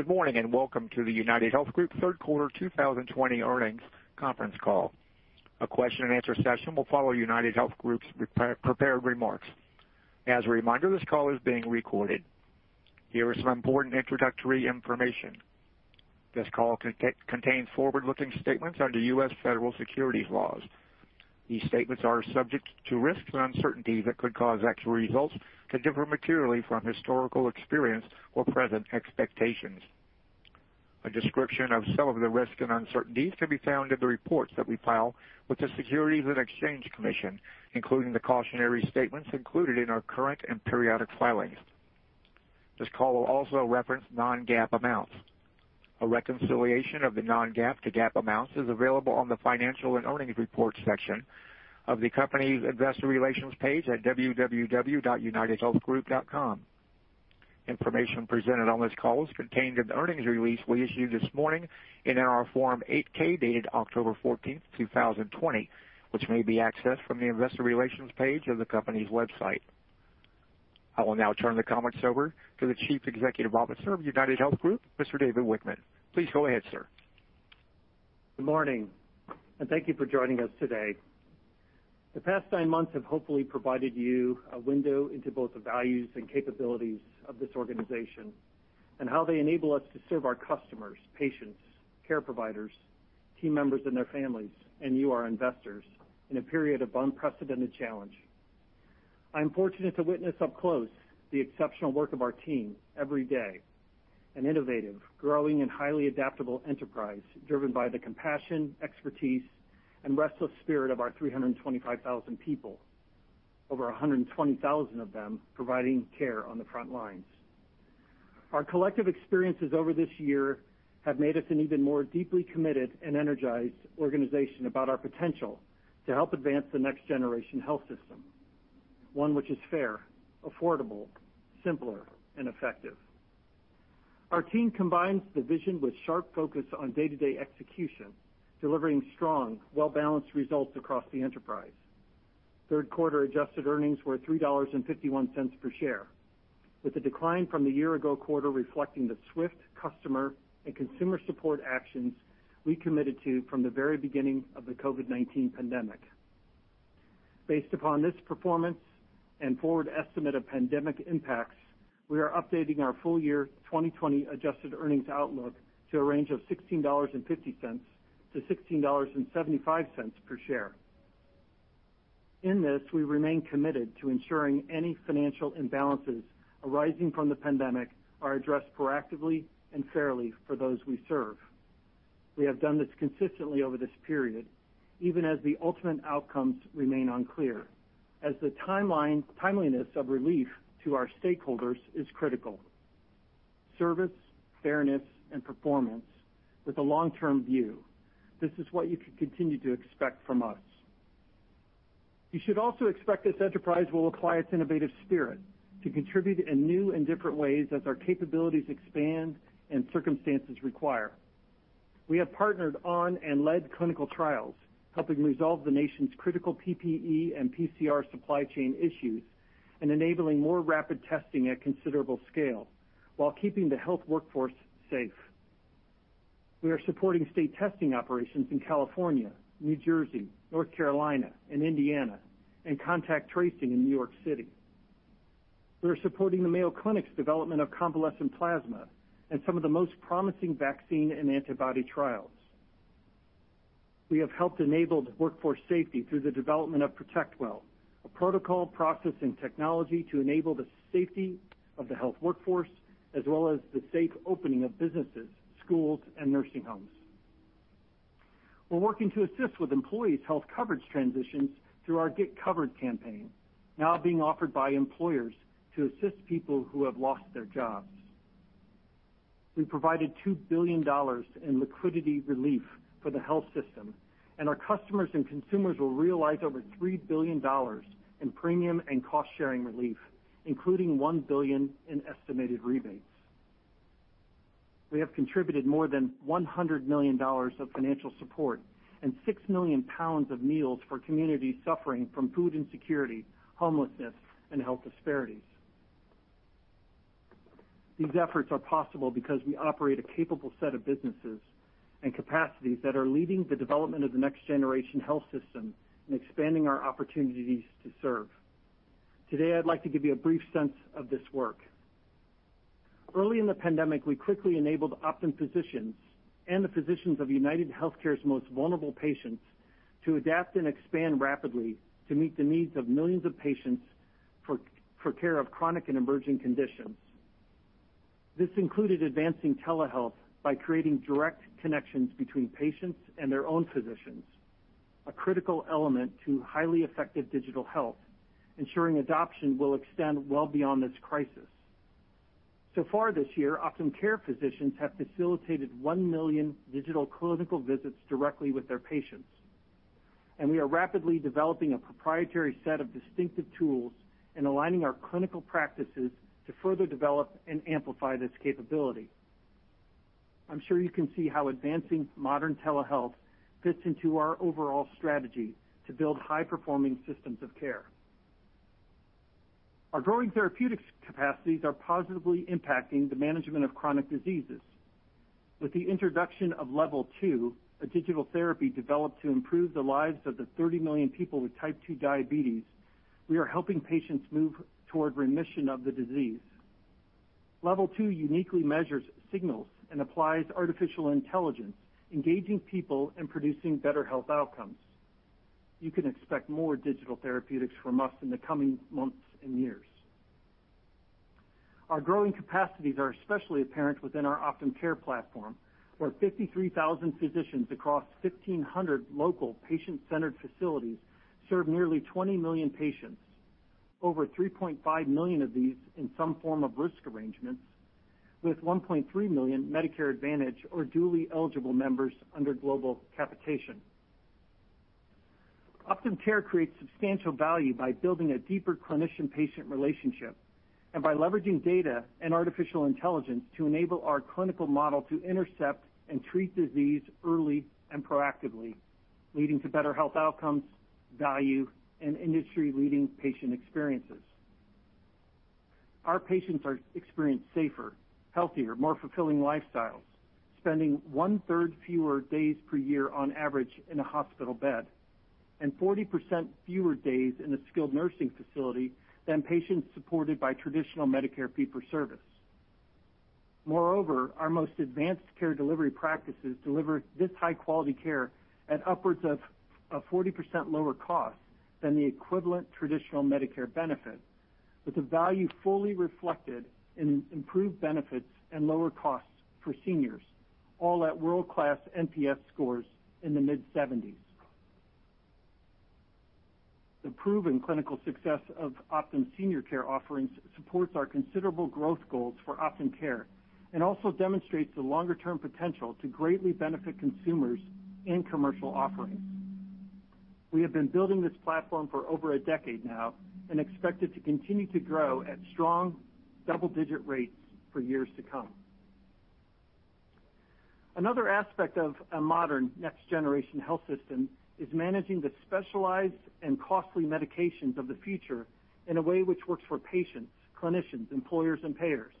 Good morning, and welcome to the UnitedHealth Group third quarter 2020 earnings conference call. A question and answer session will follow UnitedHealth Group's prepared remarks. As a reminder, this call is being recorded. Here is some important introductory information. This call contains forward-looking statements under U.S. federal securities laws. These statements are subject to risks and uncertainties that could cause actual results to differ materially from historical experience or present expectations. A description of some of the risks and uncertainties can be found in the reports that we file with the Securities and Exchange Commission, including the cautionary statements included in our current and periodic filings. This call will also reference non-GAAP amounts. A reconciliation of the non-GAAP to GAAP amounts is available on the financial and earnings reports section of the company's investor relations page at www.unitedhealthgroup.com. Information presented on this call is contained in the earnings release we issued this morning in our Form 8-K, dated October 14, 2020, which may be accessed from the investor relations page of the company's website. I will now turn the conference over to the Chief Executive Officer of UnitedHealth Group, Mr. David Wichmann. Please go ahead, sir. Good morning. Thank you for joining us today. The past nine months have hopefully provided you a window into both the values and capabilities of this organization and how they enable us to serve our customers, patients, care providers, team members, and their families, and you, our investors, in a period of unprecedented challenge. I'm fortunate to witness up close the exceptional work of our team every day, an innovative, growing, and highly adaptable enterprise driven by the compassion, expertise, and restless spirit of our 325,000 people, over 120,000 of them providing care on the front lines. Our collective experiences over this year have made us an even more deeply committed and energized organization about our potential to help advance the next-generation health system, one which is fair, affordable, simpler, and effective. Our team combines the vision with sharp focus on day-to-day execution, delivering strong, well-balanced results across the enterprise. Third quarter adjusted earnings were $3.51 per share, with a decline from the year ago quarter reflecting the swift customer and consumer support actions we committed to from the very beginning of the COVID-19 pandemic. Based upon this performance and forward estimate of pandemic impacts, we are updating our full year 2020 adjusted earnings outlook to a range of $16.50-$16.75 per share. In this, we remain committed to ensuring any financial imbalances arising from the pandemic are addressed proactively and fairly for those we serve. We have done this consistently over this period, even as the ultimate outcomes remain unclear, as the timeliness of relief to our stakeholders is critical. Service, fairness, and performance with a long-term view. This is what you can continue to expect from us. You should also expect this enterprise will apply its innovative spirit to contribute in new and different ways as our capabilities expand and circumstances require. We have partnered on and led clinical trials, helping resolve the nation's critical PPE and PCR supply chain issues and enabling more rapid testing at considerable scale while keeping the health workforce safe. We are supporting state testing operations in California, New Jersey, North Carolina, and Indiana, and contact tracing in New York City. We are supporting the Mayo Clinic's development of convalescent plasma and some of the most promising vaccine and antibody trials. We have helped enable workforce safety through the development of ProtectWell, a protocol, process, and technology to enable the safety of the health workforce as well as the safe opening of businesses, schools, and nursing homes. We're working to assist with employees' health coverage transitions through our Get Covered campaign, now being offered by employers to assist people who have lost their jobs. We provided $2 billion in liquidity relief for the health system, and our customers and consumers will realize over $3 billion in premium and cost-sharing relief, including $1 billion in estimated rebates. We have contributed more than $100 million of financial support and 6 million pounds of meals for communities suffering from food insecurity, homelessness, and health disparities. These efforts are possible because we operate a capable set of businesses and capacities that are leading the development of the next-generation health system and expanding our opportunities to serve. Today, I'd like to give you a brief sense of this work. Early in the pandemic, we quickly enabled Optum physicians and the physicians of UnitedHealthcare's most vulnerable patients to adapt and expand rapidly to meet the needs of millions of patients for care of chronic and emerging conditions. This included advancing telehealth by creating direct connections between patients and their own physicians, a critical element to highly effective digital health, ensuring adoption will extend well beyond this crisis. Far this year, OptumCare physicians have facilitated 1 million digital clinical visits directly with their patients, and we are rapidly developing a proprietary set of distinctive tools and aligning our clinical practices to further develop and amplify this capability. I'm sure you can see how advancing modern telehealth fits into our overall strategy to build high-performing systems of care. Our growing therapeutics capacities are positively impacting the management of chronic diseases. With the introduction of Level2, a digital therapy developed to improve the lives of the 30 million people with Type 2 diabetes, we are helping patients move toward remission of the disease. Level2 uniquely measures signals and applies artificial intelligence, engaging people and producing better health outcomes. You can expect more digital therapeutics from us in the coming months and years. Our growing capacities are especially apparent within our OptumCare platform, where 53,000 physicians across 1,500 local patient-centered facilities serve nearly 20 million patients. Over 3.5 million of these in some form of risk arrangements, with 1.3 million Medicare Advantage or dually eligible members under global capitation. OptumCare creates substantial value by building a deeper clinician-patient relationship and by leveraging data and artificial intelligence to enable our clinical model to intercept and treat disease early and proactively, leading to better health outcomes, value, and industry-leading patient experiences. Our patients experience safer, healthier, more fulfilling lifestyles, spending one-third fewer days per year on average in a hospital bed, and 40% fewer days in a skilled nursing facility than patients supported by traditional Medicare fee-for-service. Moreover, our most advanced care delivery practices deliver this high-quality care at upwards of a 40% lower cost than the equivalent traditional Medicare benefit, with the value fully reflected in improved benefits and lower costs for seniors, all at world-class NPS scores in the mid-70s. The proven clinical success of Optum Senior Care offerings supports our considerable growth goals for OptumCare and also demonstrates the longer-term potential to greatly benefit consumers in commercial offerings. We have been building this platform for over a decade now and expect it to continue to grow at strong double-digit rates for years to come. Another aspect of a modern next-generation health system is managing the specialized and costly medications of the future in a way which works for patients, clinicians, employers, and payers.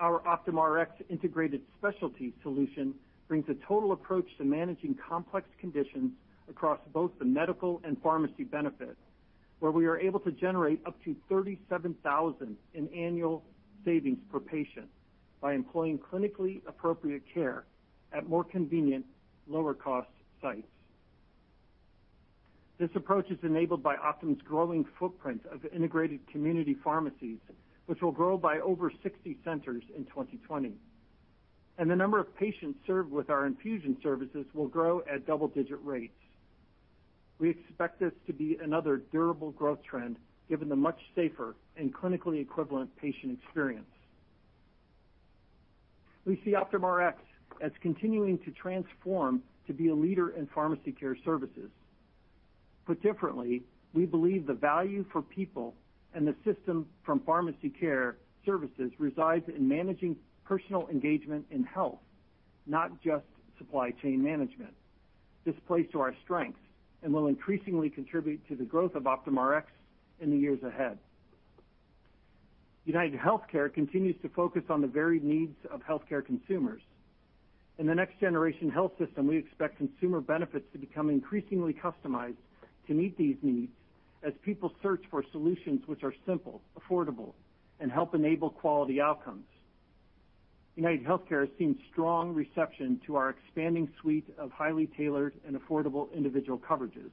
Our Optum Rx integrated specialty solution brings a total approach to managing complex conditions across both the medical and pharmacy benefit, where we are able to generate up to $37,000 in annual savings per patient by employing clinically appropriate care at more convenient, lower-cost sites. This approach is enabled by Optum's growing footprint of integrated community pharmacies, which will grow by over 60 centers in 2020, and the number of patients served with our infusion services will grow at double-digit rates. We expect this to be another durable growth trend, given the much safer and clinically equivalent patient experience. We see Optum Rx as continuing to transform to be a leader in pharmacy care services. Put differently, we believe the value for people and the system from pharmacy care services resides in managing personal engagement in health, not just supply chain management. This plays to our strengths and will increasingly contribute to the growth of Optum Rx in the years ahead. UnitedHealthcare continues to focus on the varied needs of healthcare consumers. In the next generation health system, we expect consumer benefits to become increasingly customized to meet these needs as people search for solutions which are simple, affordable, and help enable quality outcomes. UnitedHealthcare has seen strong reception to our expanding suite of highly tailored and affordable individual coverages.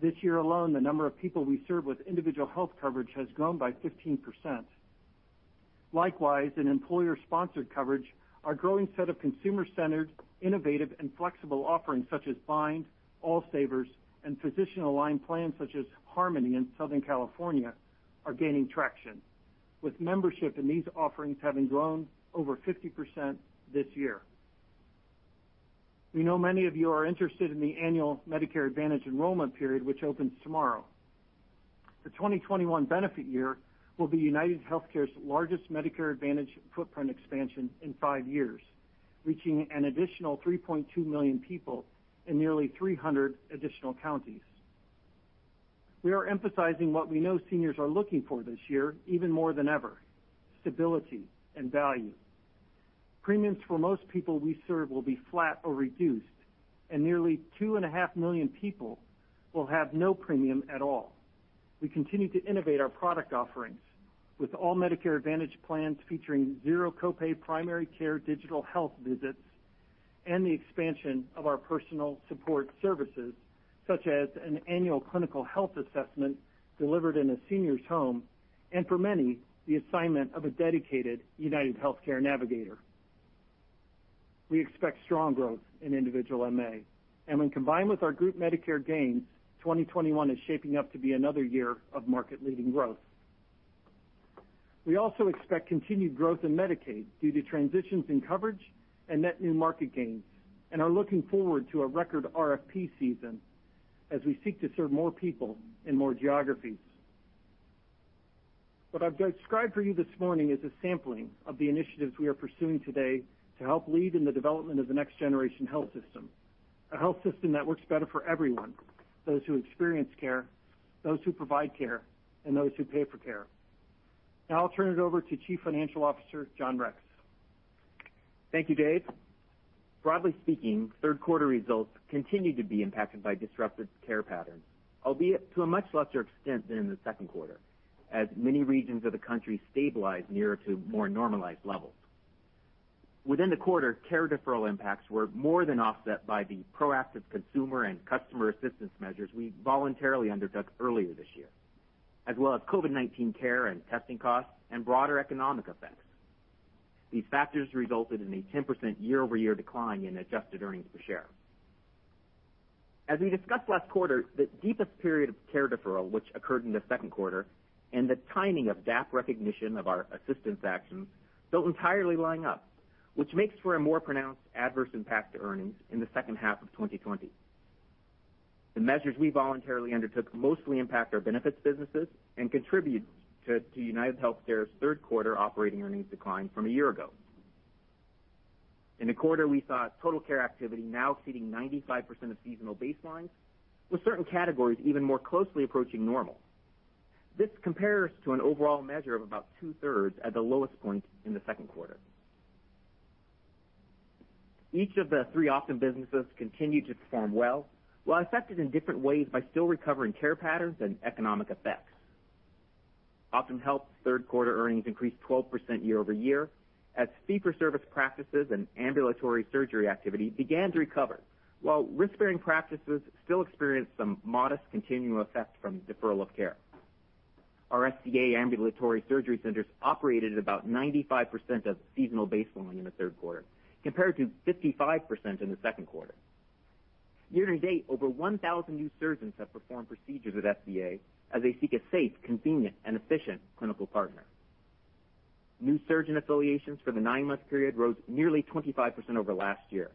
This year alone, the number of people we serve with individual health coverage has grown by 15%. Likewise, in employer-sponsored coverage, our growing set of consumer-centered, innovative, and flexible offerings such as Bind, All Savers, and physician-aligned plans such as Harmony in Southern California are gaining traction, with membership in these offerings having grown over 50% this year. We know many of you are interested in the annual Medicare Advantage enrollment period, which opens tomorrow. The 2021 benefit year will be UnitedHealthcare's largest Medicare Advantage footprint expansion in five years, reaching an additional 3.2 million people in nearly 300 additional counties. We are emphasizing what we know seniors are looking for this year even more than ever, stability and value. Premiums for most people we serve will be flat or reduced, and nearly 2.5 million people will have no premium at all. We continue to innovate our product offerings with all Medicare Advantage plans featuring zero copay primary care digital health visits and the expansion of our personal support services, such as an annual clinical health assessment delivered in a senior's home and for many, the assignment of a dedicated UnitedHealthcare navigator. We expect strong growth in individual MA, and when combined with our group Medicare gains, 2021 is shaping up to be another year of market-leading growth. We also expect continued growth in Medicaid due to transitions in coverage and net new market gains and are looking forward to a record RFP season as we seek to serve more people in more geographies. What I've described for you this morning is a sampling of the initiatives we are pursuing today to help lead in the development of the next generation health system, a health system that works better for everyone, those who experience care, those who provide care, and those who pay for care. I'll turn it over to Chief Financial Officer, John Rex. Thank you, Dave. Broadly speaking, third quarter results continue to be impacted by disrupted care patterns, albeit to a much lesser extent than in the second quarter, as many regions of the country stabilize nearer to more normalized levels. Within the quarter, care deferral impacts were more than offset by the proactive consumer and customer assistance measures we voluntarily undertook earlier this year, as well as COVID-19 care and testing costs and broader economic effects. These factors resulted in a 10% year-over-year decline in adjusted earnings per share. We discussed last quarter, the deepest period of care deferral, which occurred in the second quarter, and the timing of GAAP recognition of our assistance actions don't entirely line up, which makes for a more pronounced adverse impact to earnings in the second half of 2020. The measures we voluntarily undertook mostly impact our benefits businesses and contribute to UnitedHealthcare's third quarter operating earnings decline from a year ago. In the quarter, we saw total care activity now exceeding 95% of seasonal baselines, with certain categories even more closely approaching normal. This compares to an overall measure of about two-thirds at the lowest point in the second quarter. Each of the three Optum businesses continue to perform well, while affected in different ways by still recovering care patterns and economic effects. OptumHealth's third quarter earnings increased 12% year-over-year, as fee-for-service practices and ambulatory surgery activity began to recover. While risk bearing practices still experienced some modest continuing effects from deferral of care. Our SCA ambulatory surgery centers operated at about 95% of seasonal baseline in the third quarter, compared to 55% in the second quarter. Year-to-date, over 1,000 new surgeons have performed procedures at SCA as they seek a safe, convenient and efficient clinical partner. New surgeon affiliations for the nine-month period rose nearly 25% over last year.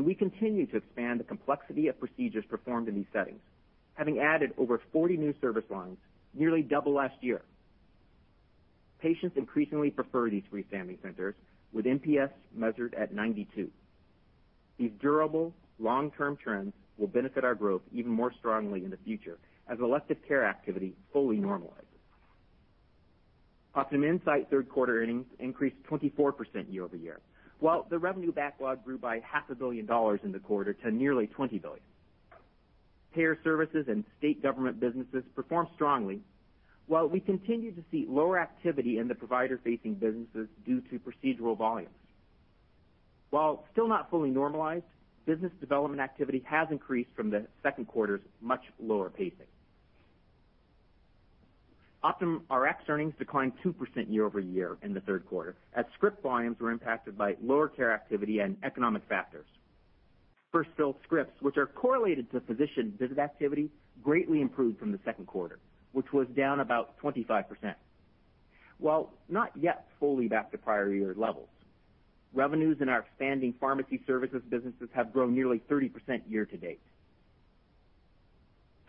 We continue to expand the complexity of procedures performed in these settings, having added over 40 new service lines, nearly double last year. Patients increasingly prefer these freestanding centers, with NPS measured at 92. These durable long-term trends will benefit our growth even more strongly in the future as elective care activity fully normalizes. OptumInsight third quarter earnings increased 24% year-over-year. The revenue backlog grew by half a billion dollars in the quarter to nearly $20 billion. Payer services and state government businesses performed strongly. We continue to see lower activity in the provider-facing businesses due to procedural volumes. While still not fully normalized, business development activity has increased from the second quarter's much lower pacing. Optum Rx earnings declined 2% year-over-year in the third quarter, as script volumes were impacted by lower care activity and economic factors. First fill scripts, which are correlated to physician visit activity, greatly improved from the second quarter, which was down about 25%. While not yet fully back to prior year levels, revenues in our expanding pharmacy services businesses have grown nearly 30% year-to-date.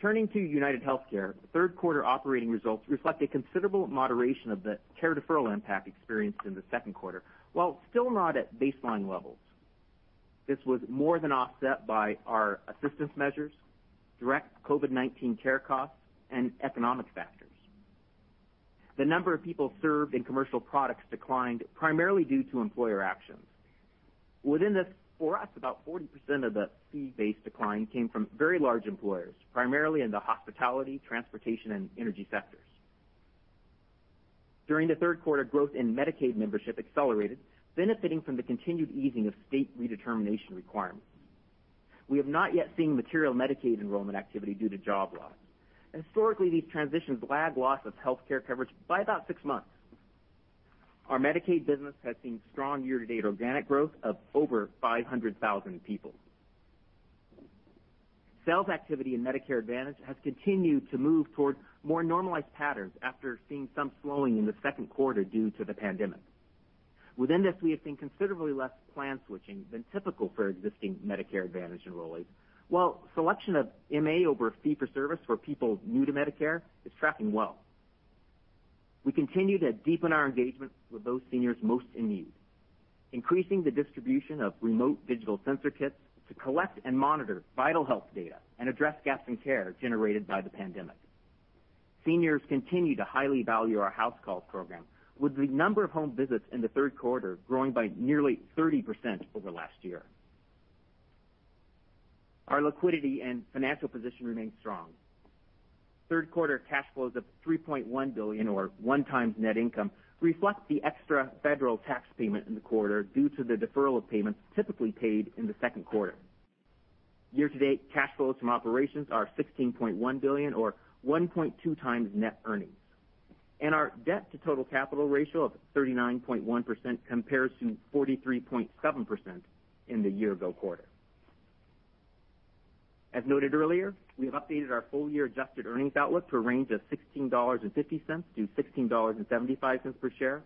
Turning to UnitedHealthcare, third quarter operating results reflect a considerable moderation of the care deferral impact experienced in the second quarter, while still not at baseline levels. This was more than offset by our assistance measures, direct COVID-19 care costs, and economic factors. The number of people served in commercial products declined primarily due to employer actions. Within this, for us, about 40% of the fee-based decline came from very large employers, primarily in the hospitality, transportation, and energy sectors. During the third quarter, growth in Medicaid membership accelerated, benefiting from the continued easing of state redetermination requirements. We have not yet seen material Medicaid enrollment activity due to job loss. Historically, these transitions lag loss of healthcare coverage by about six months. Our Medicaid business has seen strong year-to-date organic growth of over 500,000 people. Sales activity in Medicare Advantage has continued to move towards more normalized patterns after seeing some slowing in the second quarter due to the pandemic. Within this, we have seen considerably less plan switching than typical for existing Medicare Advantage enrollees. While selection of MA over fee-for-service for people new to Medicare is tracking well. We continue to deepen our engagement with those seniors most in need, increasing the distribution of remote digital sensor kits to collect and monitor vital health data and address gaps in care generated by the pandemic. Seniors continue to highly value our house call program, with the number of home visits in the third quarter growing by nearly 30% over last year. Our liquidity and financial position remains strong. Third quarter cash flows of $3.1 billion, or 1x net income, reflect the extra federal tax payment in the quarter due to the deferral of payments typically paid in the second quarter. Year-to-date, cash flows from operations are $16.1 billion or 1.2x net earnings, and our debt to total capital ratio of 39.1% compares to 43.7% in the year-ago quarter. As noted earlier, we have updated our full-year adjusted earnings outlook to a range of $16.50-$16.75 per share.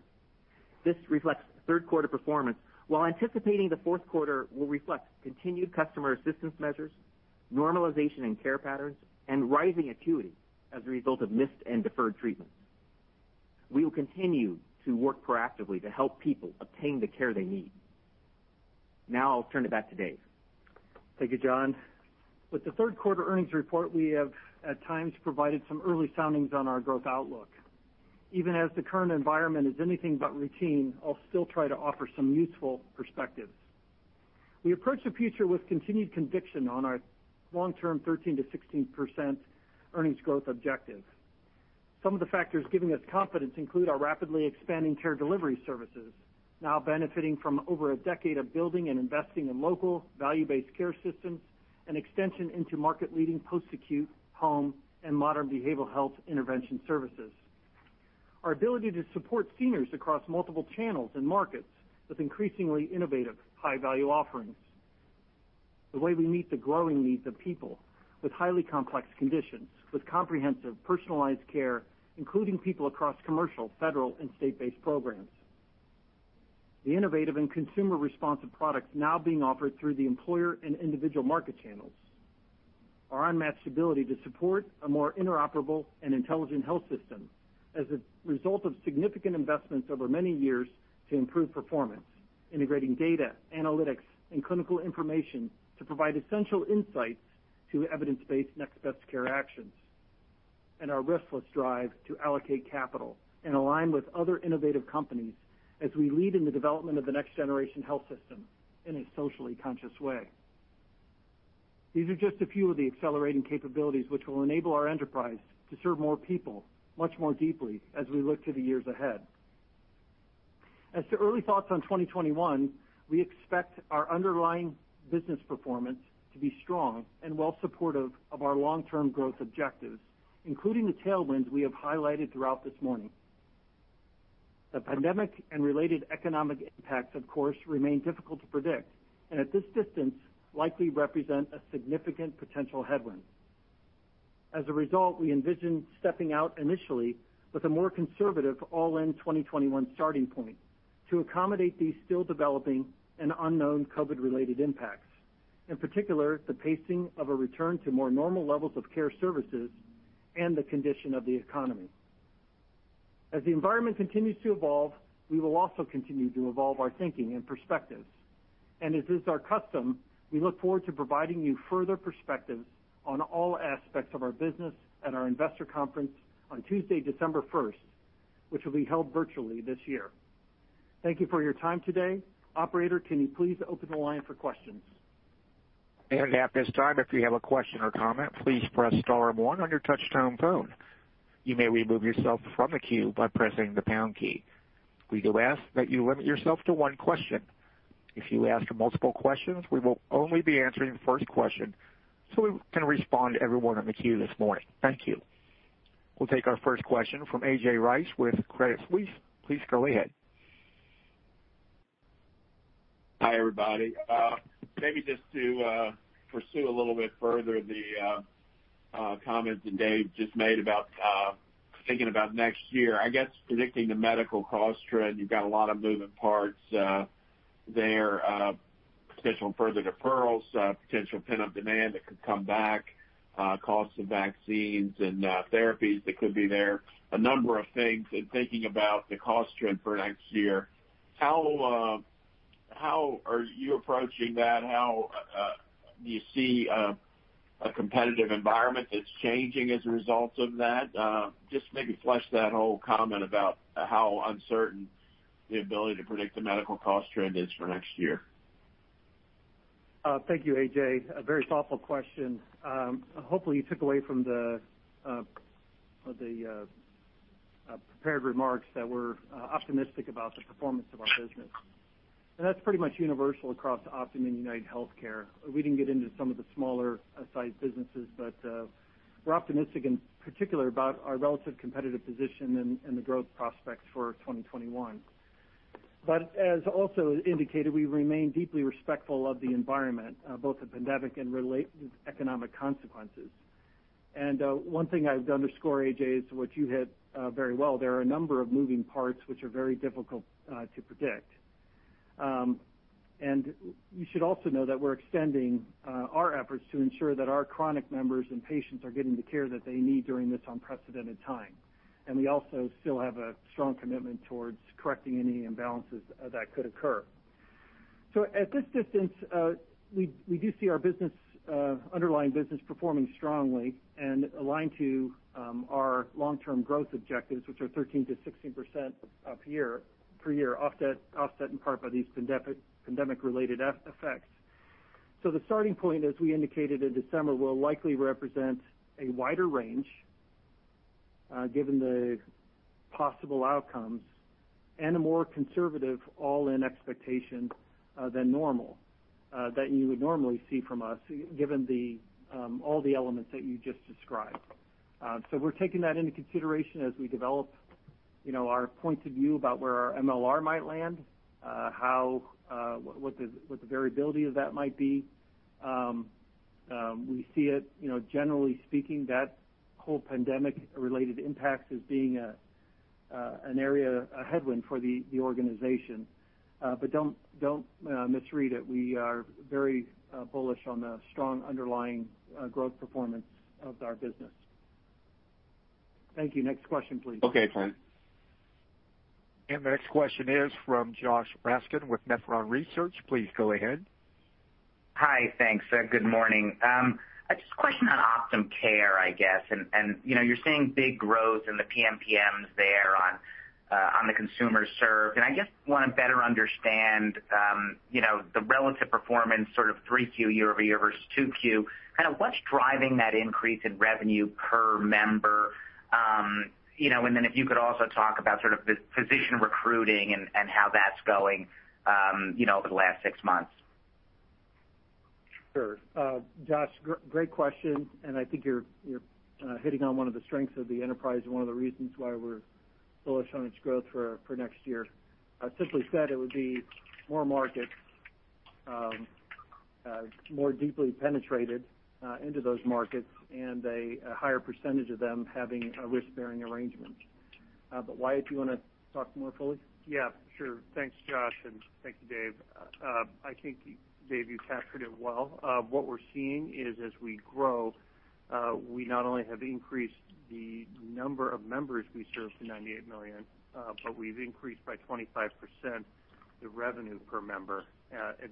This reflects third quarter performance, while anticipating the fourth quarter will reflect continued customer assistance measures, normalization in care patterns, and rising acuity as a result of missed and deferred treatment. We will continue to work proactively to help people obtain the care they need. Now I'll turn it back to Dave. Thank you, John. With the third quarter earnings report, we have, at times, provided some early soundings on our growth outlook. Even as the current environment is anything but routine, I'll still try to offer some useful perspectives. We approach the future with continued conviction on our long-term 13%-16% earnings growth objective. Some of the factors giving us confidence include our rapidly expanding care delivery services, now benefiting from over a decade of building and investing in local value-based care systems, and extension into market-leading post-acute, home, and modern behavioral health intervention services. Our ability to support seniors across multiple channels and markets with increasingly innovative high-value offerings. The way we meet the growing needs of people with highly complex conditions with comprehensive personalized care, including people across commercial, federal, and state-based programs. The innovative and consumer-responsive products now being offered through the employer and individual market channels. Our unmatched ability to support a more interoperable and intelligent health system as a result of significant investments over many years to improve performance, integrating data, analytics, and clinical information to provide essential insights to evidence-based next best care actions. Our restless drive to allocate capital and align with other innovative companies as we lead in the development of the next generation health system in a socially conscious way. These are just a few of the accelerating capabilities which will enable our enterprise to serve more people much more deeply as we look to the years ahead. As to early thoughts on 2021, we expect our underlying business performance to be strong and well supportive of our long-term growth objectives, including the tailwinds we have highlighted throughout this morning. The pandemic and related economic impacts, of course, remain difficult to predict, and at this distance, likely represent a significant potential headwind. As a result, we envision stepping out initially with a more conservative all-in 2021 starting point to accommodate these still developing and unknown COVID-related impacts. In particular, the pacing of a return to more normal levels of care services and the condition of the economy. As the environment continues to evolve, we will also continue to evolve our thinking and perspectives. As is our custom, we look forward to providing you further perspectives on all aspects of our business at our investor conference on Tuesday, December 1st, which will be held virtually this year. Thank you for your time today. Operator, can you please open the line for questions? Thank you. We'll take our first question from A.J. Rice with Credit Suisse. Please go ahead. Hi, everybody. Maybe just to pursue a little bit further the comments that Dave just made about thinking about next year. I guess predicting the medical cost trend, you've got a lot of moving parts there, potential further deferrals, potential pent-up demand that could come back, costs of vaccines and therapies that could be there, a number of things in thinking about the cost trend for next year. How are you approaching that? How do you see a competitive environment that's changing as a result of that? Just maybe flesh that whole comment about how uncertain the ability to predict the medical cost trend is for next year. Thank you, A.J. A very thoughtful question. Hopefully, you took away from the prepared remarks that we're optimistic about the performance of our business. That's pretty much universal across Optum and UnitedHealthcare. We didn't get into some of the smaller sized businesses, but we're optimistic in particular about our relative competitive position and the growth prospects for 2021. As also indicated, we remain deeply respectful of the environment, both the pandemic and related economic consequences. One thing I would underscore, A.J., is what you hit very well. There are a number of moving parts which are very difficult to predict. You should also know that we're extending our efforts to ensure that our chronic members and patients are getting the care that they need during this unprecedented time. We also still have a strong commitment towards correcting any imbalances that could occur. At this distance, we do see our underlying business performing strongly and aligned to our long-term growth objectives, which are 13%-16% up per year, offset in part by these pandemic-related effects. The starting point, as we indicated in December, will likely represent a wider range given the possible outcomes and a more conservative all-in expectation than normal, that you would normally see from us, given all the elements that you just described. We're taking that into consideration as we develop our point of view about where our MLR might land, what the variability of that might be. We see it, generally speaking, that whole pandemic-related impacts as being an area, a headwind for the organization. Don't misread it. We are very bullish on the strong underlying growth performance of our business. Thank you. Next question, please. Okay, thanks. The next question is from Josh Raskin with Nephron Research. Please go ahead. Hi. Thanks. Good morning. Just a question on OptumCare, I guess. You're seeing big growth in the PMPMs there on the consumers served. I just want to better understand, the relative performance sort of 3Q year-over-year versus 2Q, kind of what's driving that increase in revenue per member? Then if you could also talk about sort of the physician recruiting and how that's going, over the last six months. Sure. Josh, great question. I think you're hitting on one of the strengths of the enterprise and one of the reasons why we're bullish on its growth for next year. Simply said, it would be more markets, more deeply penetrated into those markets, and a higher percentage of them having a risk-bearing arrangement. Wyatt, do you want to talk more fully? Yeah, sure. Thanks, Josh, and thank you, Dave. I think, Dave, you captured it well. What we're seeing is as we grow, we not only have increased the number of members we serve to 98 million, but we've increased by 25% the revenue per member.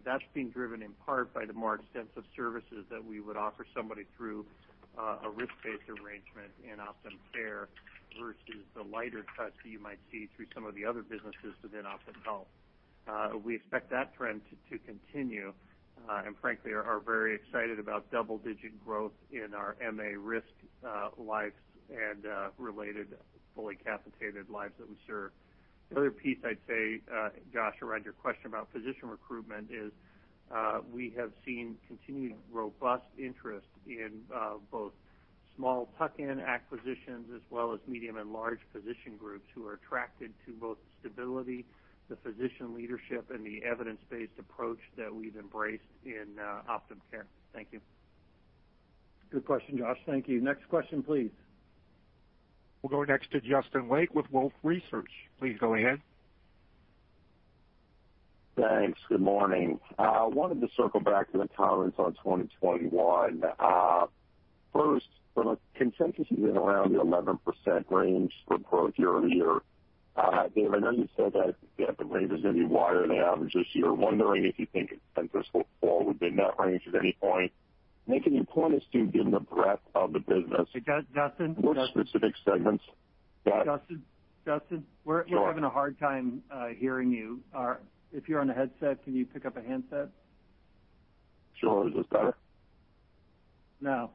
That's being driven in part by the more extensive services that we would offer somebody through a risk-based arrangement in OptumCare versus the lighter touch that you might see through some of the other businesses within OptumHealth. We expect that trend to continue, and frankly, are very excited about double-digit growth in our MA risk lives and related fully capitated lives that we serve. The other piece I'd say, Josh, around your question about physician recruitment is, we have seen continued robust interest in both small tuck-in acquisitions as well as medium and large physician groups who are attracted to both the stability, the physician leadership, and the evidence-based approach that we've embraced in OptumCare. Thank you. Good question, Josh. Thank you. Next question, please. We'll go next to Justin Lake with Wolfe Research. Please go ahead. Thanks. Good morning. I wanted to circle back to the comments on 2021. First, from a consensus around the 11% range for growth year-over-year. Dave, I know you said that the range is going to be wider than average this year. Wondering if you think consensus will fall within that range at any point. Dirk, can you point us to, given the breadth of the business- Hey, Justin? What specific segments that- Justin? We're having a hard time hearing you. If you're on a headset, can you pick up a handset? Sure. Is this better? No.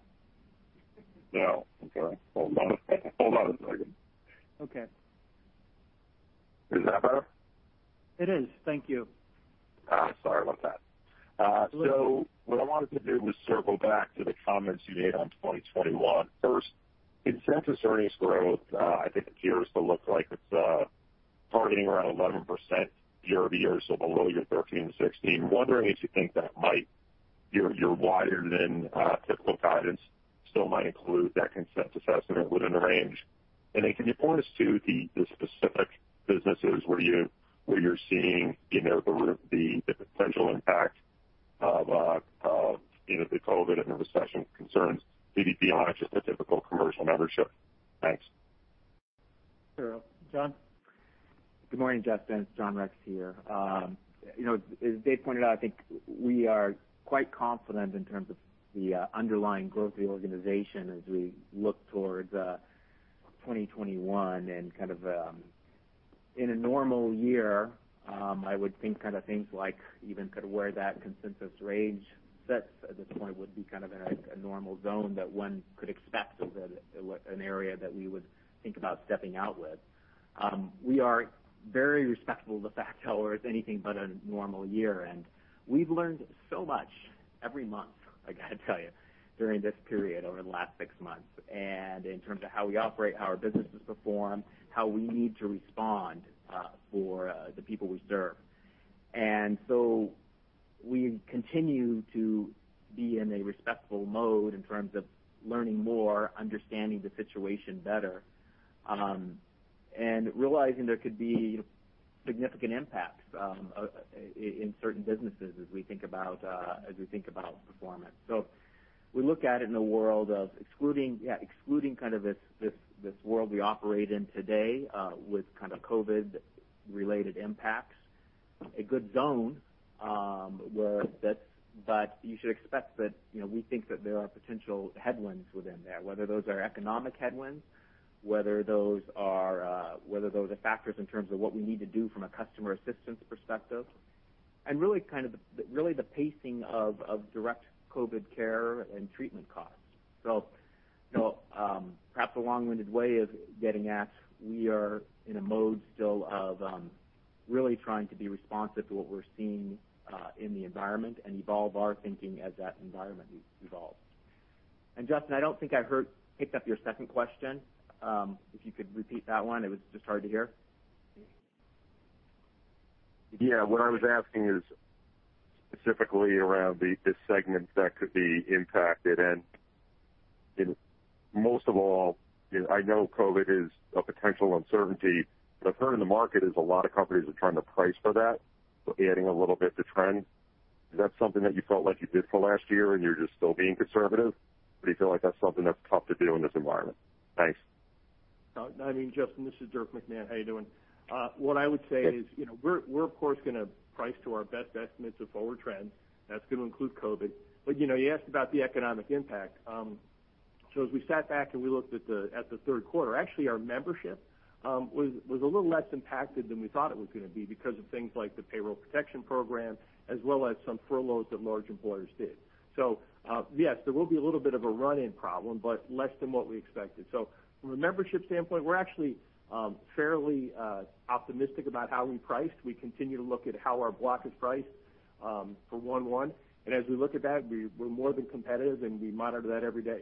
No. Okay, hold on a second. Okay. Is that better? It is. Thank you. Sorry about that. What I wanted to do was circle back to the comments you made on 2021. First, consensus earnings growth, I think it appears to look like it's targeting around 11% year-over-year, so below your 13%-16%. Wondering if you think your wider than typical guidance still might include that consensus estimate within the range. Can you point us to the specific businesses where you're seeing the potential impact of the COVID and the recession concerns maybe beyond just the typical commercial membership? Thanks. Sure. John? Good morning, Justin. It's John Rex here. As Dave pointed out, I think we are quite confident in terms of the underlying growth of the organization as we look towards 2021. Kind of in a normal year, I would think kind of things like even kind of where that consensus range sits at this point would be kind of in a normal zone that one could expect or an area that we would think about stepping out with. We are very respectful of the fact how it's anything but a normal year, and we've learned so much every month, I got to tell you, during this period over the last six months, and in terms of how we operate, how our businesses perform, how we need to respond for the people we serve. We continue to be in a respectful mode in terms of learning more, understanding the situation better, and realizing there could be significant impacts in certain businesses as we think about performance. We look at it in a world of excluding kind of this world we operate in today, with kind of COVID-19-related impacts, a good zone, but you should expect that we think that there are potential headwinds within there, whether those are economic headwinds, whether those are factors in terms of what we need to do from a customer assistance perspective, and really the pacing of direct COVID-19 care and treatment costs. Perhaps a long-winded way of getting at, we are in a mode still of really trying to be responsive to what we're seeing in the environment and evolve our thinking as that environment evolves. Justin, I don't think I heard, picked up your second question. If you could repeat that one, it was just hard to hear. Yeah. What I was asking is specifically around the segments that could be impacted. Most of all, I know COVID is a potential uncertainty, but I've heard in the market is a lot of companies are trying to price for that, so adding a little bit to trend. Is that something that you felt like you did for last year and you're just still being conservative, or do you feel like that's something that's tough to do in this environment? Thanks. Justin, this is Dirk McMahon. How you doing? What I would say is, we're of course, going to price to our best estimates of forward trends. That's going to include COVID. You asked about the economic impact. As we sat back and we looked at the third quarter, actually, our membership was a little less impacted than we thought it was going to be because of things like the Paycheck Protection Program, as well as some furloughs that large employers did. Yes, there will be a little bit of a run-in problem, less than what we expected. From a membership standpoint, we're actually fairly optimistic about how we priced. We continue to look at how our block is priced for 1/1. As we look at that, we're more than competitive, and we monitor that every day.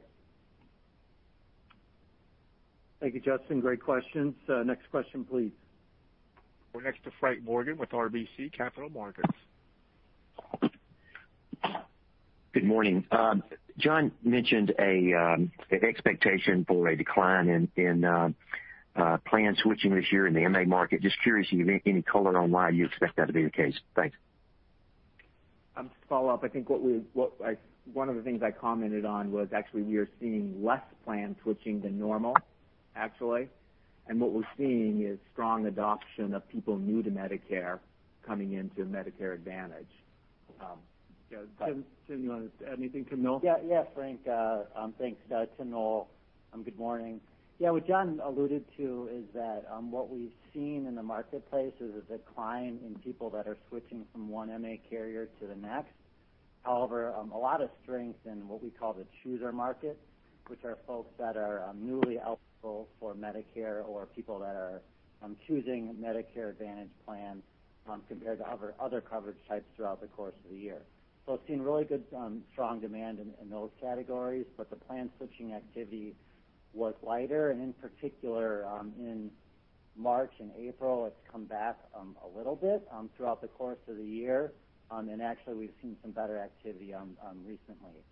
Thank you, Justin. Great questions. Next question, please. We're next to Frank Morgan with RBC Capital Markets. Good morning. John mentioned an expectation for a decline in plan switching this year in the MA market. Just curious, any color on why you expect that to be the case? Thanks. Just to follow up, I think one of the things I commented on was actually, we are seeing less plan switching than normal, actually. What we're seeing is strong adoption of people new to Medicare coming into Medicare Advantage. Tim, do you want to add anything to Noel? Yeah. Frank, thanks to Noel. Good morning. Yeah, what John alluded to is that what we've seen in the marketplace is a decline in people that are switching from one MA carrier to the next. However, a lot of strength in what we call the chooser market, which are folks that are newly eligible for Medicare or people that are choosing Medicare Advantage plans compared to other coverage types throughout the course of the year. We've seen really good, strong demand in those categories, but the plan switching activity was lighter, and in particular, in March and April, it's come back a little bit throughout the course of the year. Actually, we've seen some better activity recently.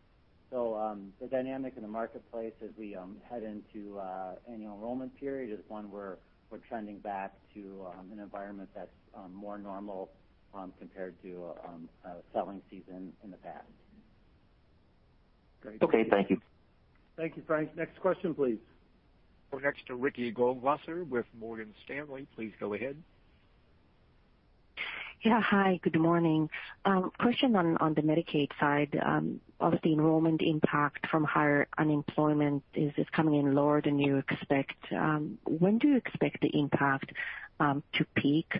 The dynamic in the marketplace as we head into Annual Enrollment Period is one where we're trending back to an environment that's more normal compared to selling season in the past. Okay. Thank you. Thank you, Frank. Next question, please. We're next to Ricky Goldwasser with Morgan Stanley. Please go ahead. Yeah. Hi, good morning. Question on the Medicaid side of the enrollment impact from higher unemployment. Is it coming in lower than you expect? When do you expect the impact to peak?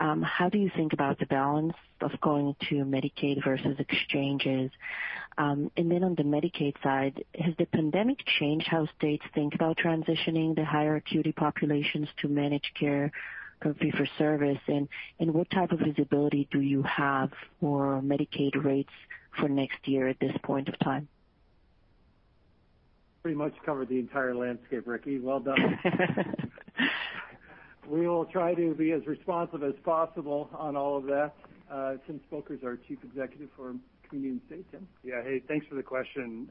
How do you think about the balance of going to Medicaid versus exchanges? On the Medicaid side, has the pandemic changed how states think about transitioning the higher acuity populations to managed care from fee-for-service, and what type of visibility do you have for Medicaid rates for next year at this point of time? Pretty much covered the entire landscape, Ricky. Well done. We will try to be as responsive as possible on all of that. Tim Spilker is our Chief Executive for Community & State. Tim? Yeah. Hey, thanks for the question.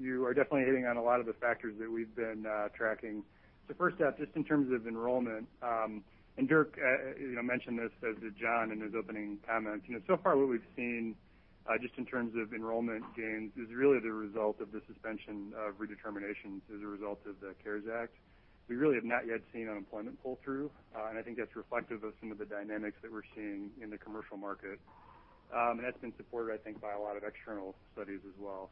You are definitely hitting on a lot of the factors that we've been tracking. First up, just in terms of enrollment, and Dirk mentioned this, as did John in his opening comments. Far what we've seen just in terms of enrollment gains is really the result of the suspension of redeterminations as a result of the CARES Act. We really have not yet seen unemployment pull through, and I think that's reflective of some of the dynamics that we're seeing in the commercial market. That's been supported, I think, by a lot of external studies as well.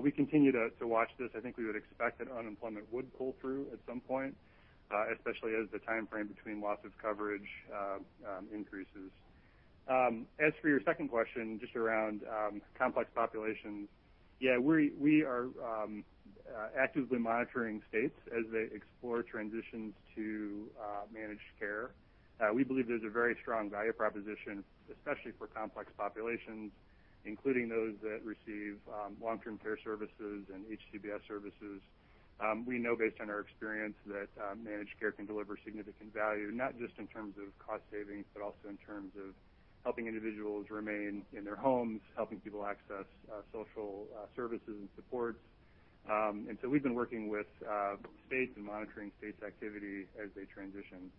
We continue to watch this. I think we would expect that unemployment would pull through at some point, especially as the timeframe between loss of coverage increases. As for your second question, just around complex populations. Yeah, we are actively monitoring states as they explore transitions to managed care. We believe there's a very strong value proposition, especially for complex populations, including those that receive long-term care services and HCBS services. We know based on our experience that managed care can deliver significant value, not just in terms of cost savings, but also in terms of helping individuals remain in their homes, helping people access social services and supports. We've been working with states and monitoring states' activity as they transition.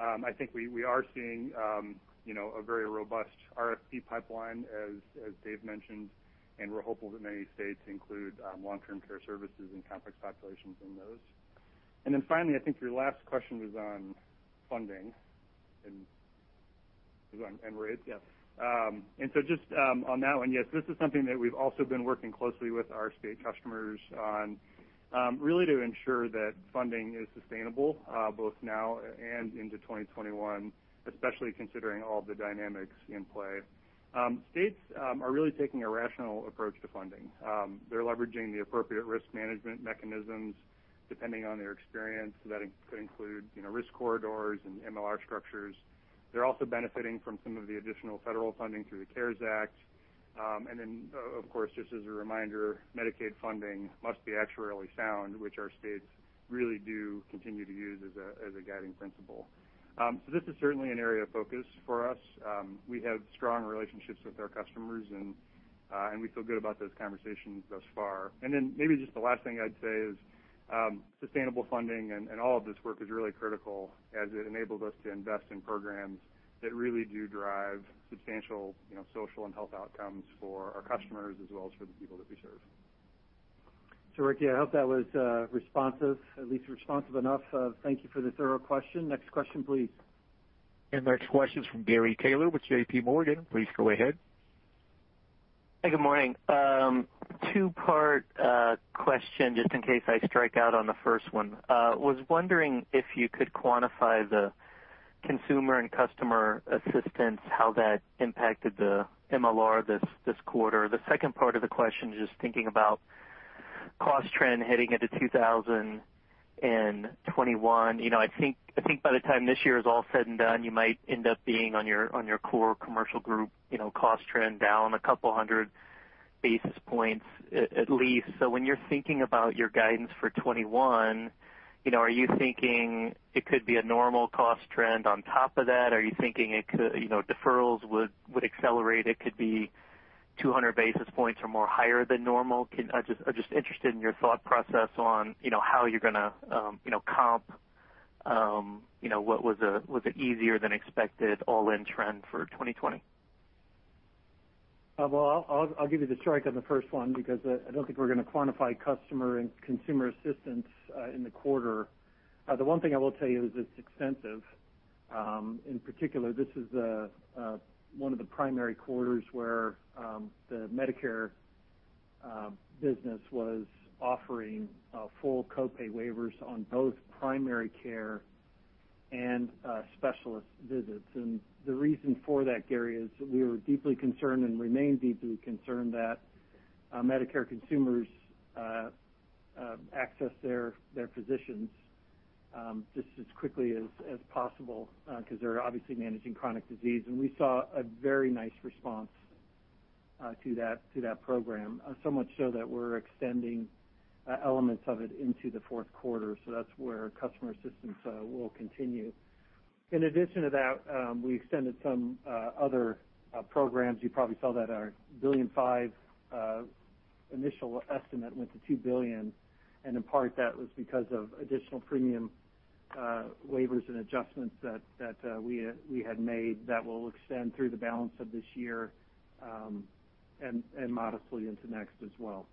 I think we are seeing a very robust RFP pipeline, as Dave mentioned, and we're hopeful that many states include long-term care services and complex populations in those. Finally, I think your last question was on funding and rates. Yeah. Just on that one, yes, this is something that we've also been working closely with our state customers on, really to ensure that funding is sustainable both now and into 2021, especially considering all the dynamics in play. States are really taking a rational approach to funding. They're leveraging the appropriate risk management mechanisms depending on their experience. That could include risk corridors and MLR structures. They're also benefiting from some of the additional federal funding through the CARES Act. Then, of course, just as a reminder, Medicaid funding must be actuarially sound, which our states really do continue to use as a guiding principle. This is certainly an area of focus for us. We have strong relationships with our customers, and we feel good about those conversations thus far. Maybe just the last thing I'd say is sustainable funding and all of this work is really critical as it enables us to invest in programs that really do drive substantial social and health outcomes for our customers as well as for the people that we serve. Ricky, I hope that was responsive, at least responsive enough. Thank you for the thorough question. Next question, please. Next question is from Gary Taylor with JPMorgan. Please go ahead. Hi, good morning. Two-part question, just in case I strike out on the first one. Was wondering if you could quantify the consumer and customer assistance, how that impacted the MLR this quarter. The second part of the question, just thinking about cost trend heading into 2021. I think by the time this year is all said and done, you might end up being on your core commercial group cost trend down a couple hundred basis points at least. When you're thinking about your guidance for 2021, are you thinking it could be a normal cost trend on top of that? Are you thinking deferrals would accelerate? It could be 200 basis points or more higher than normal. I'm just interested in your thought process on how you're going to comp what was an easier than expected all-in trend for 2020. Well, I'll give you the strike on the first one, because I don't think we're going to quantify customer and consumer assistance in the quarter. The one thing I will tell you is it's extensive. In particular, this is one of the primary quarters where the Medicare business was offering full co-pay waivers on both primary care and specialist visits. The reason for that, Gary, is that we were deeply concerned, and remain deeply concerned that Medicare consumers access their physicians just as quickly as possible because they're obviously managing chronic disease. We saw a very nice response to that program. Much so that we're extending elements of it into the fourth quarter. That's where customer assistance will continue. In addition to that, we extended some other programs. You probably saw that our $1.5 billion initial estimate went to $2 billion, and in part, that was because of additional premium waivers and adjustments that we had made that will extend through the balance of this year, and modestly into next as well.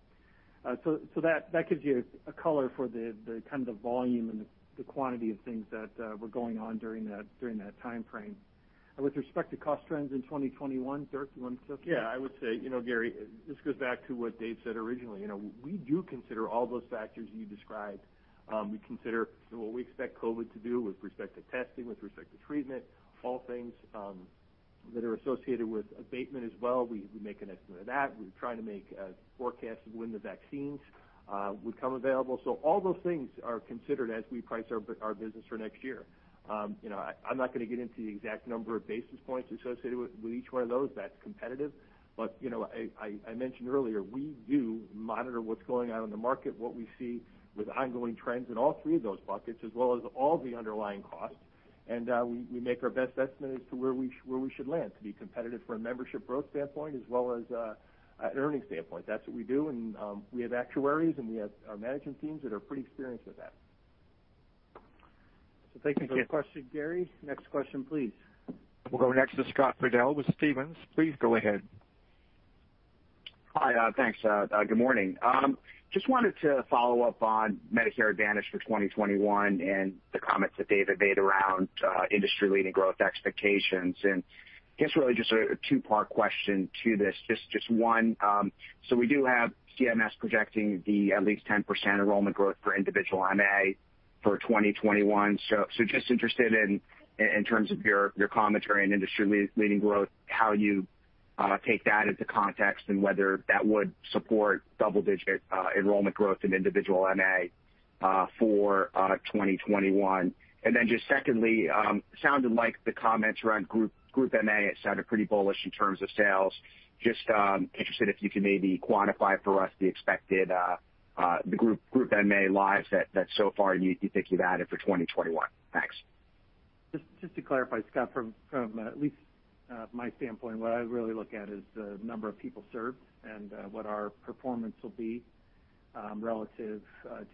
That gives you a color for the kind of volume and the quantity of things that were going on during that timeframe. With respect to cost trends in 2021, Dirk, you want to take that? Yeah, I would say, Gary, this goes back to what Dave said originally. We do consider all those factors you described. We consider what we expect COVID to do with respect to testing, with respect to treatment, all things that are associated with abatement as well. We make an estimate of that. We try to make forecasts of when the vaccines would come available. All those things are considered as we price our business for next year. I'm not going to get into the exact number of basis points associated with each one of those. That's competitive. I mentioned earlier, we do monitor what's going on in the market, what we see with ongoing trends in all three of those buckets, as well as all the underlying costs, and we make our best estimate as to where we should land to be competitive from a membership growth standpoint as well as an earnings standpoint. That's what we do, and we have actuaries, and we have our management teams that are pretty experienced with that. Thank you for the question, Gary. Next question, please. We'll go next to Scott Fidel with Stephens. Please go ahead. Hi. Thanks. Good morning. Just wanted to follow up on Medicare Advantage for 2021 and the comments that Dave had made around industry-leading growth expectations. Guess really just a two-part question to this. Just one, we do have CMS projecting the at least 10% enrollment growth for individual MA for 2021. Just interested in terms of your commentary and industry-leading growth, how you take that into context and whether that would support double-digit enrollment growth in individual MA for 2021. Just secondly, sounded like the comments around group MA, it sounded pretty bullish in terms of sales. Just interested if you could maybe quantify for us the expected group MA lives that so far you think you've added for 2021. Thanks. Just to clarify, Scott, from at least my standpoint, what I really look at is the number of people served and what our performance will be relative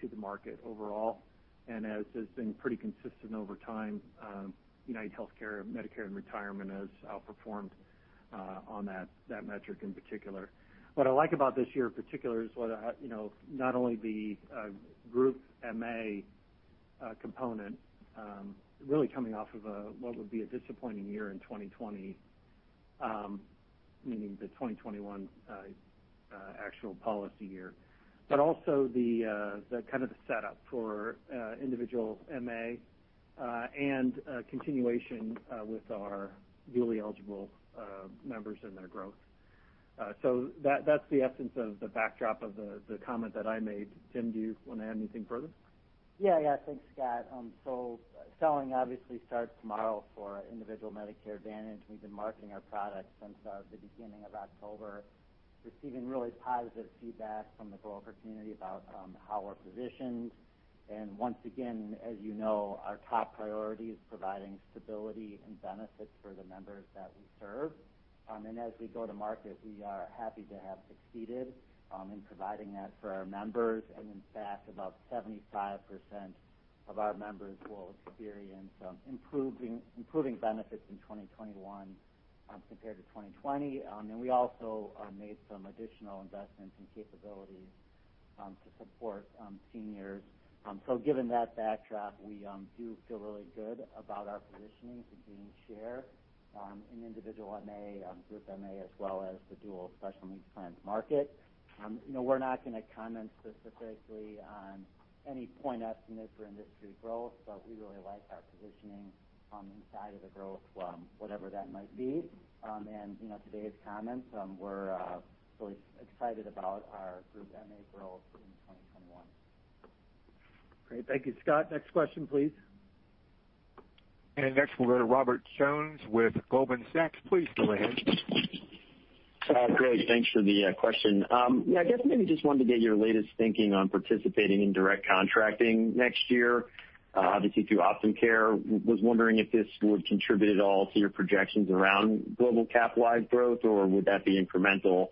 to the market overall. As has been pretty consistent over time, UnitedHealthcare Medicare & Retirement has outperformed on that metric in particular. What I like about this year in particular is not only the group MA component really coming off of what would be a disappointing year in 2020, meaning the 2021 actual policy year. Also the kind of the setup for individual MA and continuation with our dually eligible members and their growth. That's the essence of the backdrop of the comment that I made. Tim, do you want to add anything further? Thanks, Scott. Selling obviously starts tomorrow for individual Medicare Advantage. We've been marketing our product since the beginning of October, receiving really positive feedback from the broker community about how we're positioned. Once again, as you know, our top priority is providing stability and benefits for the members that we serve. As we go to market, we are happy to have succeeded in providing that for our members. In fact, about 75% of our members will experience improving benefits in 2021 compared to 2020. We also made some additional investments in capabilities to support seniors. Given that backdrop, we do feel really good about our positioning to gain share in individual MA, group MA, as well as the dual special needs plans market. We're not going to comment specifically on any point estimate for industry growth, we really like our positioning inside of the growth, whatever that might be. Today's comments, we're really excited about our group MA growth in 2021. Great. Thank you, Scott. Next question, please. Next we'll go to Robert Jones with Goldman Sachs. Please go ahead. Great. Thanks for the question. Yeah, I guess maybe just wanted to get your latest thinking on participating in direct contracting next year, obviously through OptumCare. Was wondering if this would contribute at all to your projections around global cap-wide growth, or would that be incremental?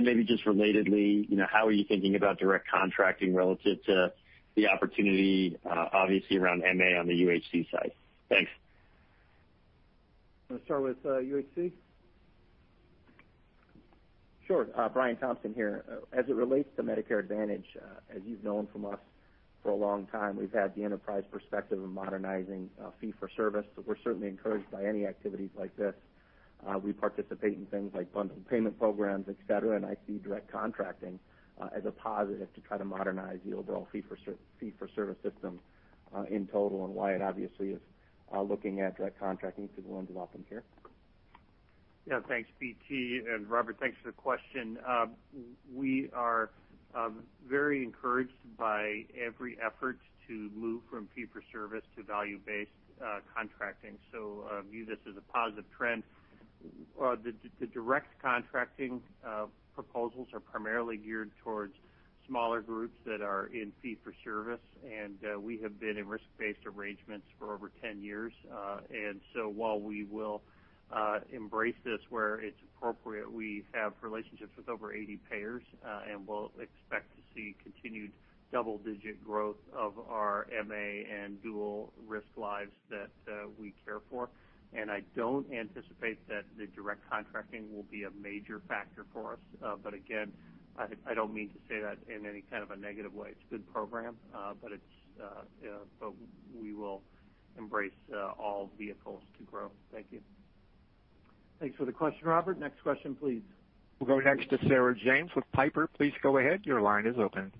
Maybe just relatedly, how are you thinking about direct contracting relative to the opportunity, obviously around MA on the UHC side? Thanks. Want to start with UHC? Sure. Brian Thompson here. As it relates to Medicare Advantage, as you've known from us for a long time, we've had the enterprise perspective of modernizing fee-for-service, but we're certainly encouraged by any activities like this. We participate in things like bundled payment programs, et cetera, and I see direct contracting as a positive to try to modernize the overall fee-for-service system in total and Wyatt obviously is looking at direct contracting through the lens of OptumCare. Yeah, thanks, BT, and Robert, thanks for the question. We are very encouraged by every effort to move from fee-for-service to value-based contracting, so view this as a positive trend. The direct contracting proposals are primarily geared towards smaller groups that are in fee-for-service, and we have been in risk-based arrangements for over 10 years. While we will embrace this where it's appropriate, we have relationships with over 80 payers, and we'll expect to see continued double-digit growth of our MA and dual risk lives that we care for. I don't anticipate that the direct contracting will be a major factor for us. Again, I don't mean to say that in any kind of a negative way. It's a good program, but we will embrace all vehicles to grow. Thank you. Thanks for the question, Robert. Next question, please. We'll go next to Sarah James with Piper. Please go ahead. Your line is open.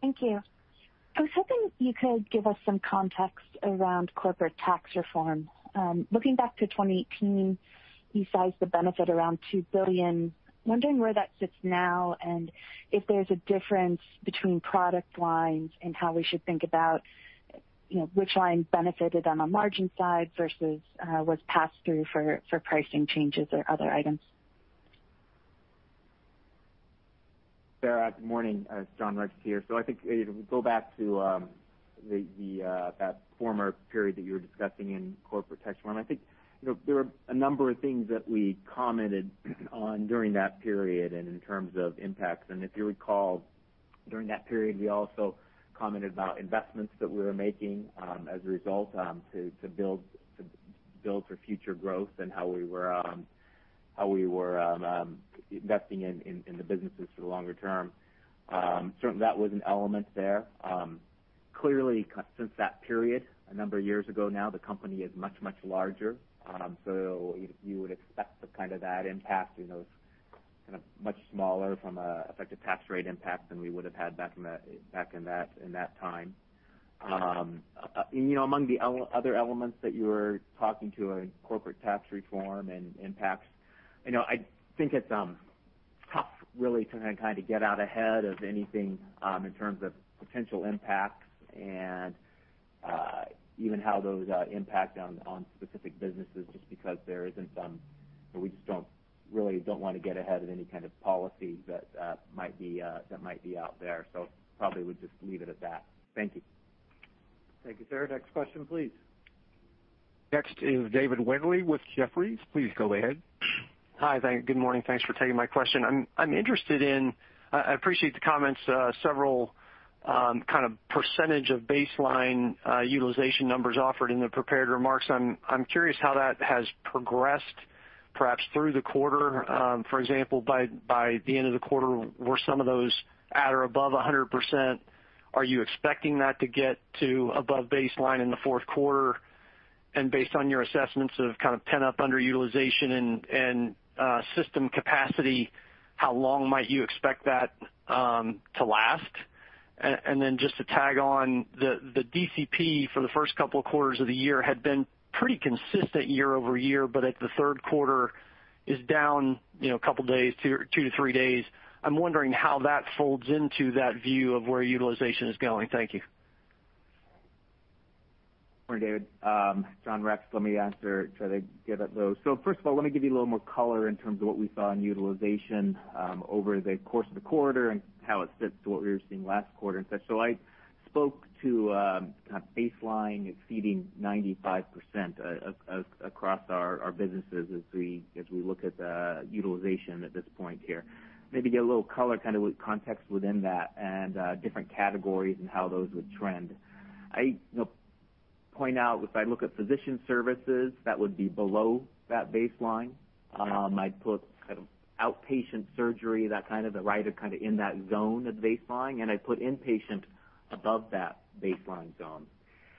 Thank you. I was hoping you could give us some context around corporate tax reform. Looking back to 2018, you sized the benefit around $2 billion. Wondering where that sits now and if there's a difference between product lines and how we should think about which lines benefited on a margin side versus was passed through for pricing changes or other items. Sarah, good morning. It's John Rex here. I think if we go back to that former period that you were discussing in corporate tax reform, I think there were a number of things that we commented on during that period and in terms of impacts. If you recall, during that period, we also commented about investments that we were making as a result to build for future growth and how we were investing in the businesses for the longer term. Certainly, that was an element there. Clearly, since that period, a number of years ago now, the company is much, much larger. You would expect the kind of that impact, kind of much smaller from an effective tax rate impact than we would have had back in that time. Among the other elements that you were talking to in corporate tax reform and impacts, I think it's tough, really, to then kind of get out ahead of anything in terms of potential impacts and even how those impact on specific businesses just because we just really don't want to get ahead of any kind of policy that might be out there. Probably would just leave it at that. Thank you. Thank you, Sarah. Next question, please. Next is David Windley with Jefferies. Please go ahead. Hi. Good morning. Thanks for taking my question. I appreciate the comments, several kind of percentage of baseline utilization numbers offered in the prepared remarks. I'm curious how that has progressed, perhaps through the quarter. For example, by the end of the quarter, were some of those at or above 100%? Are you expecting that to get to above baseline in the fourth quarter? Based on your assessments of kind of pent-up underutilization and system capacity, how long might you expect that to last? Then just to tag on, the DCP for the first couple of quarters of the year had been pretty consistent year-over-year, but at the third quarter is down a couple days, two to three days. I'm wondering how that folds into that view of where utilization is going. Thank you. Morning, David. John Rex. Let me answer, try to give out those. First of all, let me give you a little more color in terms of what we saw in utilization over the course of the quarter and how it fits to what we were seeing last quarter and such. I spoke to kind of baseline exceeding 95% across our businesses as we look at the utilization at this point here. Maybe give a little color, kind of context within that and different categories and how those would trend. I point out, if I look at physician services, that would be below that baseline. I'd put kind of outpatient surgery, that kind of the right, are kind of in that zone of baseline, and I'd put inpatient above that baseline zone.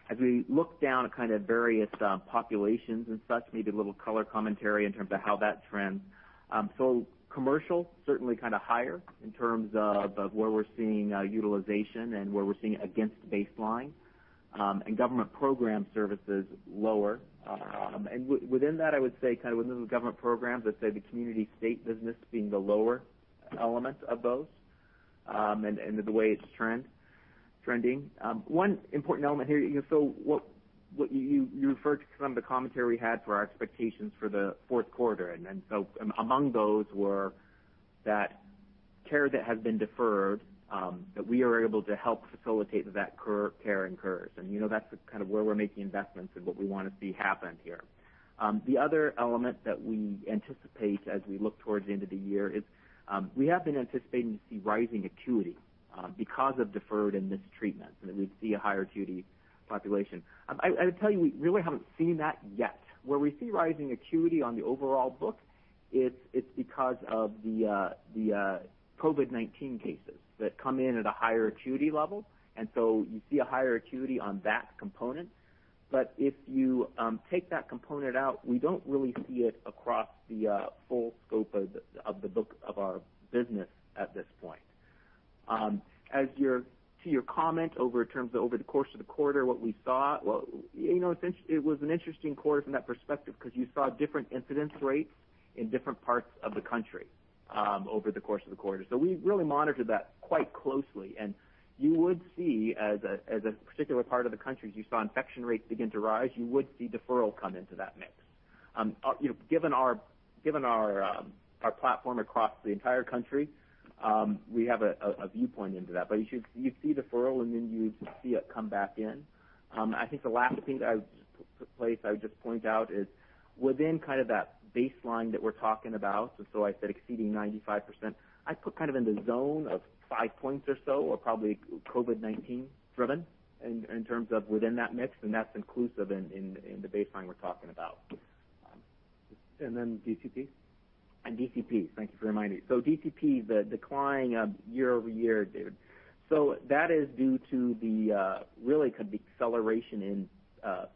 As we look down at kind of various populations and such, maybe a little color commentary in terms of how that trends. Commercial, certainly kind of higher in terms of where we're seeing utilization and where we're seeing against baseline, and government program services lower. Within that, I would say kind of within the government programs, I'd say the Community & State business being the lower element of those, and the way it's trending. One important element here, what you referred to some of the commentary we had for our expectations for the fourth quarter. Among those were that care that had been deferred, that we are able to help facilitate that care incurs. That's kind of where we're making investments and what we want to see happen here. The other element that we anticipate as we look towards the end of the year is, we have been anticipating to see rising acuity because of deferred and missed treatment, that we'd see a higher acuity population. I would tell you, we really haven't seen that yet. Where we see rising acuity on the overall book, it's because of the COVID-19 cases that come in at a higher acuity level. You see a higher acuity on that component. If you take that component out, we don't really see it across the full scope of the book of our business at this point. As to your comment over terms of over the course of the quarter, what we saw, well, it was an interesting quarter from that perspective because you saw different incidence rates in different parts of the country over the course of the quarter. We really monitored that quite closely. You would see as a particular part of the country, as you saw infection rates begin to rise, you would see deferral come into that mix. Given our platform across the entire country, we have a viewpoint into that. You'd see deferral, and then you'd see it come back in. I think the last thing that I would just place, I would just point out is within kind of that baseline that we're talking about, so I said exceeding 95%, I'd put kind of in the zone of five points or so are probably COVID-19 driven in terms of within that mix, and that's inclusive in the baseline we're talking about. Then DCP? DCP, thank you for reminding me. DCP, the decline year-over-year, David. That is due to the really kind of acceleration in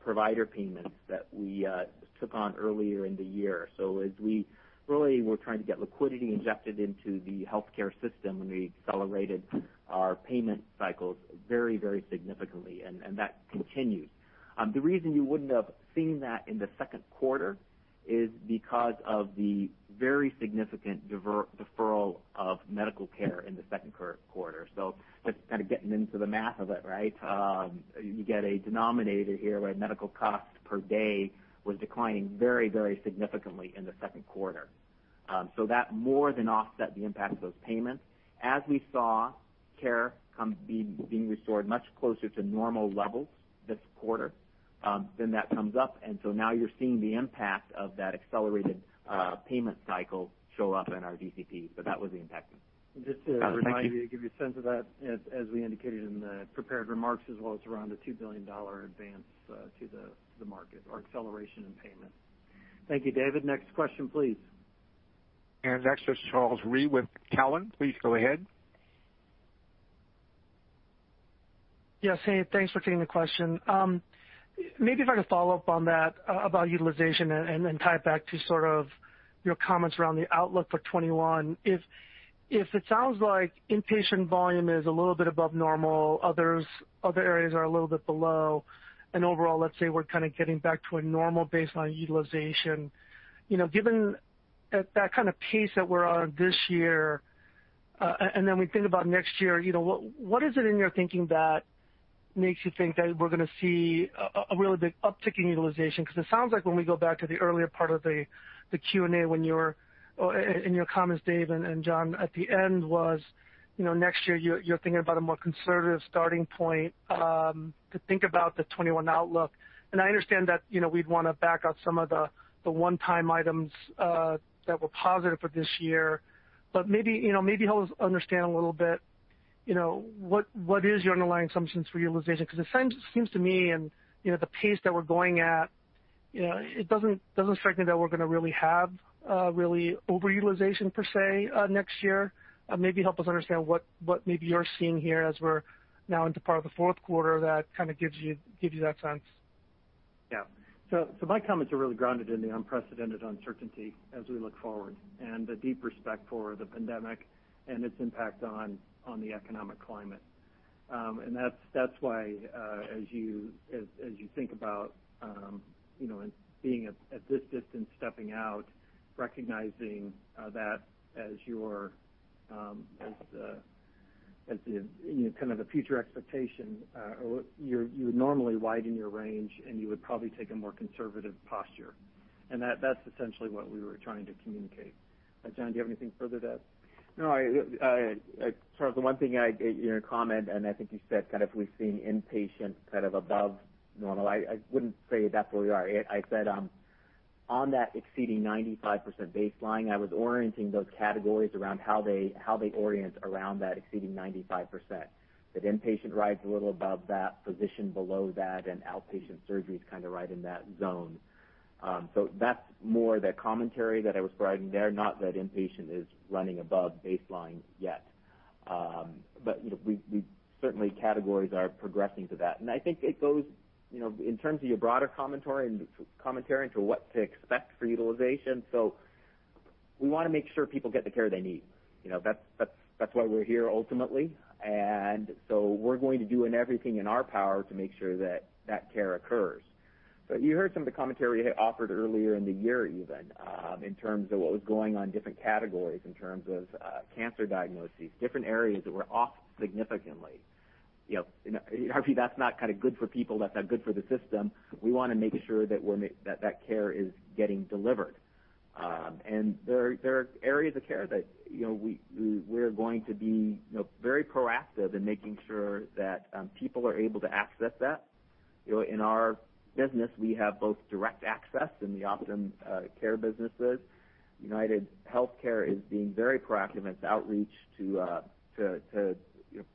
provider payments that we took on earlier in the year. As we really were trying to get liquidity injected into the healthcare system, and we accelerated our payment cycles very significantly, and that continues. The reason you wouldn't have seen that in the second quarter is because of the very significant deferral of medical care in the second quarter. Just kind of getting into the math of it, right? You get a denominator here where medical cost per day was declining very significantly in the second quarter. That more than offset the impact of those payments. As we saw care being restored much closer to normal levels this quarter, that comes up. Now you're seeing the impact of that accelerated payment cycle show up in our DCP. That was the impact. Just to remind you. Got it. Thank you. to give you a sense of that, as we indicated in the prepared remarks, as well as around a $2 billion advance to the market or acceleration in payment. Thank you, David. Next question, please. Next is Charles Rhyee with Cowen. Please go ahead. Yes, hey, thanks for taking the question. Maybe if I could follow up on that about utilization and then tie it back to sort of your comments around the outlook for 2021. If it sounds like inpatient volume is a little bit above normal, other areas are a little bit below, and overall, let's say we're kind of getting back to a normal baseline utilization. Given that kind of pace that we're on this year, and then we think about next year, what is it in your thinking that makes you think that we're going to see a really big uptick in utilization? It sounds like when we go back to the earlier part of the Q&A, in your comments, Dave and John, at the end was, next year, you're thinking about a more conservative starting point to think about the 2021 outlook. I understand that we'd want to back out some of the one-time items that were positive for this year. Maybe help us understand a little bit, what is your underlying assumptions for utilization? It seems to me and the pace that we're going at, it doesn't strike me that we're going to really have over-utilization per se, next year. Maybe help us understand what maybe you're seeing here as we're now into part of the fourth quarter that kind of gives you that sense. Yeah. My comments are really grounded in the unprecedented uncertainty as we look forward and the deep respect for the pandemic and its impact on the economic climate. That's why as you think about being at this distance, stepping out, recognizing that As the future expectation, you would normally widen your range, and you would probably take a more conservative posture. That's essentially what we were trying to communicate. John, do you have anything further to add? Charles, the one thing in your comment, I think you said we've seen inpatient above normal. I wouldn't say that's where we are. I said on that exceeding 95% baseline, I was orienting those categories around how they orient around that exceeding 95%. Inpatient rides a little above that, physician below that, outpatient surgery is right in that zone. That's more the commentary that I was providing there, not that inpatient is running above baseline yet. Certainly, categories are progressing to that. I think it goes, in terms of your broader commentary into what to expect for utilization, we want to make sure people get the care they need. That's why we're here ultimately. We're going to do everything in our power to make sure that care occurs. You heard some of the commentary offered earlier in the year even, in terms of what was going on in different categories, in terms of cancer diagnoses, different areas that were off significantly. Obviously, that's not good for people, that's not good for the system. We want to make sure that that care is getting delivered. There are areas of care that we're going to be very proactive in making sure that people are able to access that. In our business, we have both direct access in the OptumCare businesses. UnitedHealthcare is being very proactive with outreach to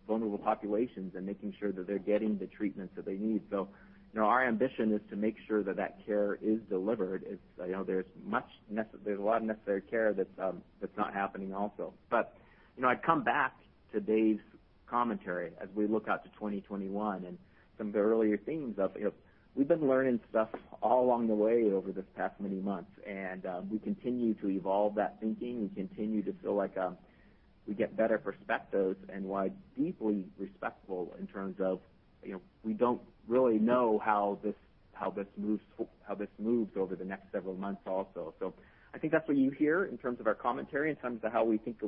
vulnerable populations and making sure that they're getting the treatment that they need. Our ambition is to make sure that that care is delivered. There's a lot of necessary care that's not happening also. I come back to Dave's commentary as we look out to 2021 and some of the earlier themes of, we've been learning stuff all along the way over this past many months, and we continue to evolve that thinking. We continue to feel like we get better perspectives and why deeply respectful in terms of, we don't really know how this moves over the next several months also. I think that's what you hear in terms of our commentary, in terms of how we think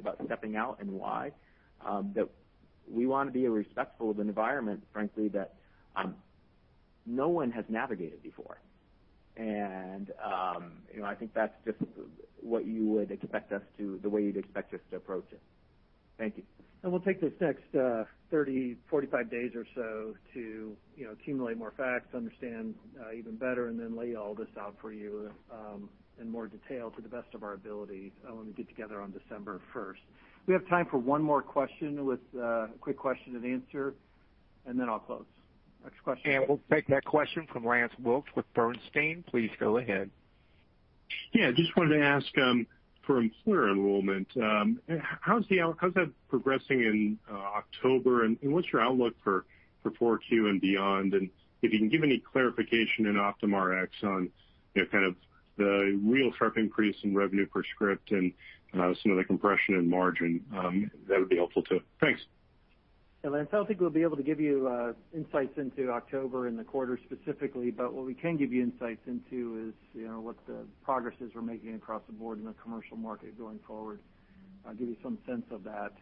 about stepping out and why, that we want to be respectful of an environment, frankly, that no one has navigated before. I think that's just the way you'd expect us to approach it. Thank you. We'll take this next 30, 45 days or so to accumulate more facts, understand even better, and then lay all this out for you in more detail to the best of our ability when we get together on December 1st. We have time for one more question with a quick question and answer, and then I'll close. Next question. We'll take that question from Lance Wilkes with Bernstein. Please go ahead. Just wanted to ask for employer enrollment. How's that progressing in October, and what's your outlook for 4Q and beyond? If you can give any clarification in Optum Rx on the real sharp increase in revenue per script and some of the compression in margin, that would be helpful too. Thanks. Yeah, Lance, I don't think we'll be able to give you insights into October and the quarter specifically, but what we can give you insights into is what the progresses we're making across the board in the commercial market going forward. I'll give you some sense of that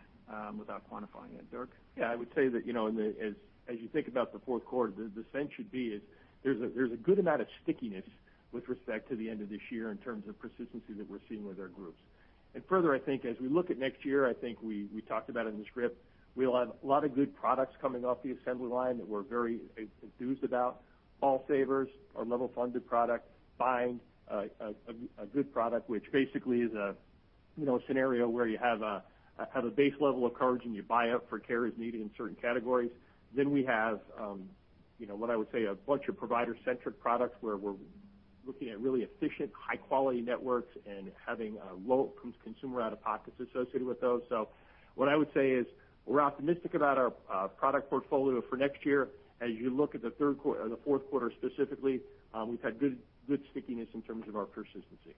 without quantifying it. Dirk? Yeah, I would say that as you think about the fourth quarter, the sense should be is there's a good amount of stickiness with respect to the end of this year in terms of persistency that we're seeing with our groups. Further, I think as we look at next year, I think we talked about it in the script. We'll have a lot of good products coming off the assembly line that we're very enthused about. All Savers, our level-funded product, Bind, a good product, which basically is a scenario where you have a base level of coverage, and you buy up for care as needed in certain categories. We have what I would say, a bunch of provider-centric products where we're looking at really efficient, high-quality networks and having a low consumer out-of-pocket associated with those. What I would say is we're optimistic about our product portfolio for next year. As you look at the fourth quarter specifically, we've had good stickiness in terms of our persistency.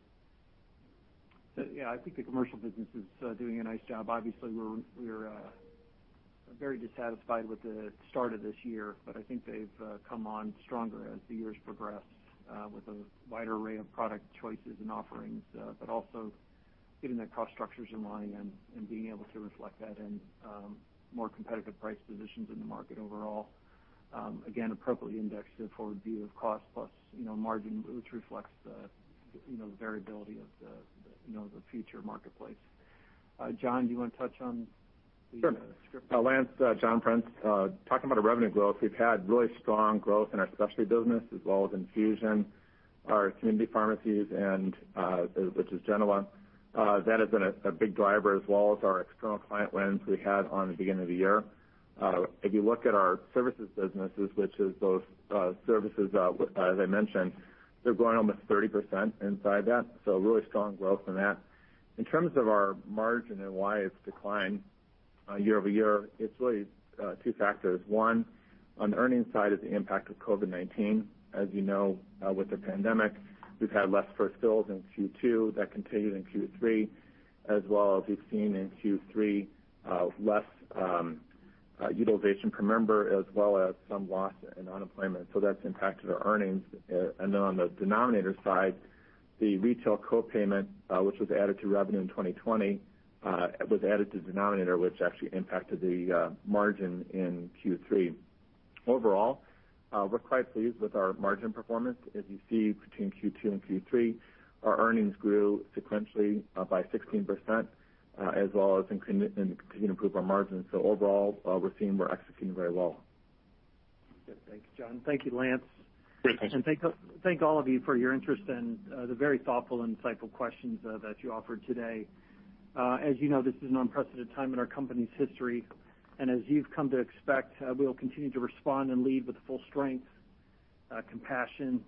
Yeah, I think the commercial business is doing a nice job. Obviously, we're very dissatisfied with the start of this year, but I think they've come on stronger as the years progress with a wide array of product choices and offerings, but also getting their cost structures in line and being able to reflect that in more competitive price positions in the market overall. Again, appropriately indexed to the forward view of cost plus margin, which reflects the variability of the future marketplace. John, do you want to touch on the script? Sure. Lance, John Prince. Talking about our revenue growth, we've had really strong growth in our specialty business, as well as infusion, our community pharmacies, which is Genoa. That has been a big driver, as well as our external client wins we had on the beginning of the year. You look at our services businesses, which is those services, as I mentioned, they're growing almost 30% inside that, really strong growth in that. In terms of our margin and why it's declined year-over-year, it's really two factors. One, on the earnings side is the impact of COVID-19. As you know, with the pandemic, we've had less first fills in Q2. That continued in Q3, as well as we've seen in Q3, less utilization per member, as well as some loss in unemployment. That's impacted our earnings. On the denominator side, the retail co-payment, which was added to revenue in 2020, was added to denominator, which actually impacted the margin in Q3. Overall, we're quite pleased with our margin performance. As you see, between Q2 and Q3, our earnings grew sequentially by 16%, as well as continued to improve our margins. Overall, we're executing very well. Good. Thanks, John. Thank you, Lance. Great. Thanks. Thank all of you for your interest and the very thoughtful and insightful questions that you offered today. As you know, this is an unprecedented time in our company's history, and as you've come to expect, we'll continue to respond and lead with full strength, compassion,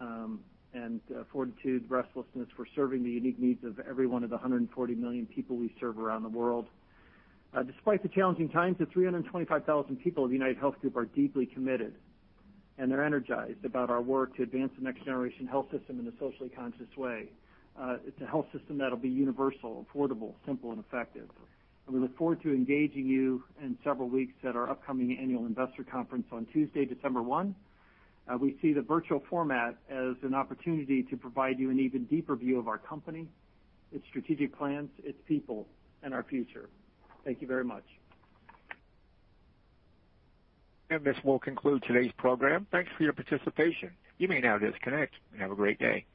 and fortitude, restlessness for serving the unique needs of every one of the 140 million people we serve around the world. Despite the challenging times, the 325,000 people of UnitedHealth Group are deeply committed, and they're energized about our work to advance the next generation health system in a socially conscious way. It's a health system that'll be universal, affordable, simple, and effective. We look forward to engaging you in several weeks at our upcoming annual investor conference on Tuesday, December 1. We see the virtual format as an opportunity to provide you an even deeper view of our company, its strategic plans, its people, and our future. Thank you very much. This will conclude today's program. Thanks for your participation. You may now disconnect, and have a great day.